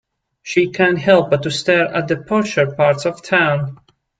She can't help but to stare at the posher parts of town.